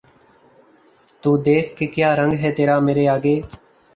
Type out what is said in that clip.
تو دیکھ کہ کیا رنگ ہے تیرا مرے آگے